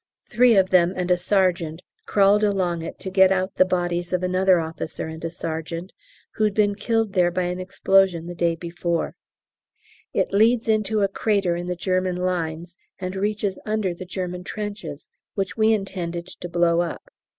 Three of them and a sergeant crawled along it to get out the bodies of another officer and a sergeant who'd been killed there by an explosion the day before; it leads into a crater in the German lines, and reaches under the German trenches, which we intended to blow up.